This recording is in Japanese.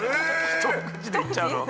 ⁉一口で行っちゃうの？